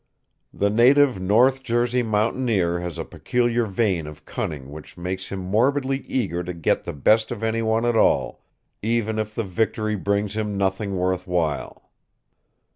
The native North Jersey mountaineer has a peculiar vein of cunning which makes him morbidly eager to get the best of anyone at all even if the victory brings him nothing worth while.